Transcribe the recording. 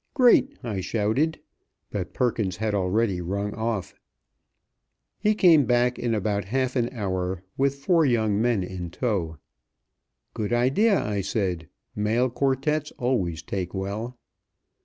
"Great!" I shouted, but Perkins had already rung off. He came back in about half an hour with four young men in tow. "Good idea," I said, "male quartettes always take well."